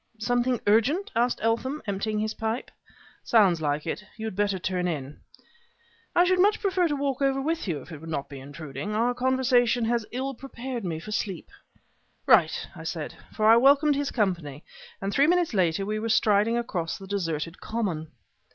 "Something urgent?" asked Eltham, emptying his pipe. "Sounds like it. You had better turn in." "I should much prefer to walk over with you, if it would not be intruding. Our conversation has ill prepared me for sleep." "Right!" I said; for I welcomed his company; and three minutes later we were striding across the deserted common.